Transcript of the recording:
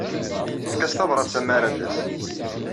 Efk-as tabṛat-a mi ara d-tas.